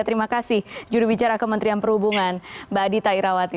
terima kasih juru bicara kementerian perhubungan mbak dita irawati